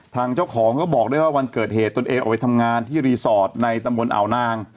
ทางเจ้าของก็บอกด้วยว่าวันเกิดเหตุตนเองออกไปทำงานที่รีสอร์ทในตำบลอ่าวนาง